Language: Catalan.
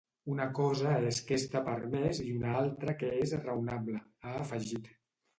“Una cosa és què està permès i una altra què és raonable”, ha afegit.